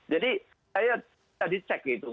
jadi saya tadi check gitu